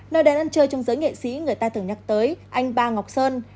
nơi đây ăn chơi trong giới nghệ sĩ người ta thường nhắc tới anh ba ngọc sơn